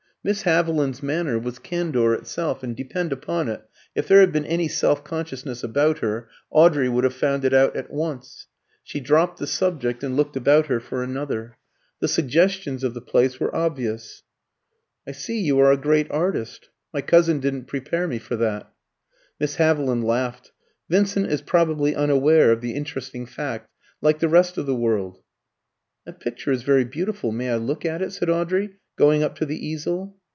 Miss Haviland's manner was candour itself; and depend upon it, if there had been any self consciousness about her, Audrey would have found it out at once. She dropped the subject, and looked about her for another. The suggestions of the place were obvious. "I see you are a great artist. My cousin didn't prepare me for that." Miss Haviland laughed. "Vincent is probably unaware of the interesting fact, like the rest of the world." "That picture is very beautiful; may I look at it?" said Audrey, going up to the easel.